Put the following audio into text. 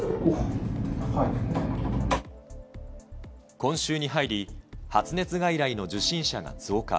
今週に入り、発熱外来の受診者が増加。